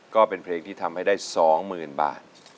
ก็เป็นเพลงที่ทำให้ได้๒๐๐๐บาท